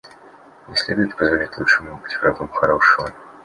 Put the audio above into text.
Не следует позволять лучшему быть врагом хорошего.